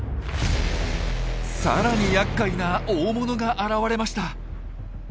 更にやっかいな大物が現れました。